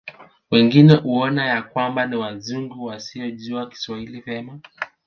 Wengine huona ya kwamba ni Wazungu wasiojua Kiswahili vema